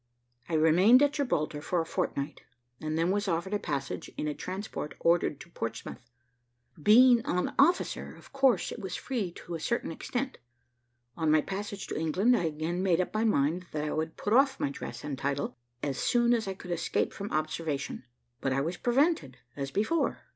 I remained at Gibraltar for a fortnight, and then was offered a passage in a transport ordered to Portsmouth. Being on officer, of course it was free to a certain extent. On my passage to England, I again made up my mind that I would put off my dress and title as soon as I could escape from observation; but I was prevented as before.